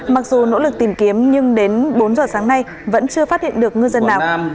mặc dù nỗ lực tìm kiếm nhưng đến bốn giờ sáng nay vẫn chưa phát hiện được ngư dân nào